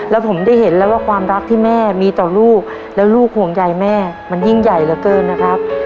แล้วผมได้เห็นแล้วว่าความรักที่แม่มีต่อลูกแล้วลูกห่วงใยแม่มันยิ่งใหญ่เหลือเกินนะครับ